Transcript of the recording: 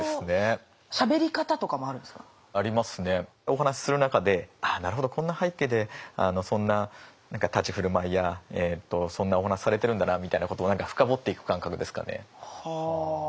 お話しする中であなるほどこんな背景でそんな立ち振る舞いやそんなお話されてるんだなみたいなことを深掘っていく感覚ですかね。